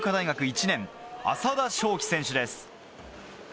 １年浅田将揮選手です。